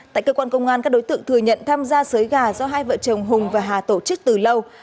tại cơ quan công an các đối tượng thừa nhận tham gia xới gà do hai vợ chồng hùng và hà tổ chức từ lâu